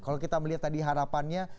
kalau kita melihat tadi harapannya